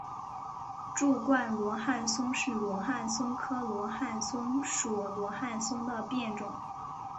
柱冠罗汉松是罗汉松科罗汉松属罗汉松的变种。